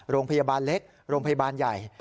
โรงพยาบาลเล็กโรงพยาบาลใหญ่